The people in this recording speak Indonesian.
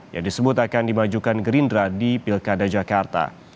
yang disebut akan dimajukan gerindra di pilkada jakarta